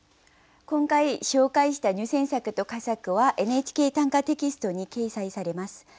今回紹介した入選作と佳作は「ＮＨＫ短歌」テキストに掲載されます。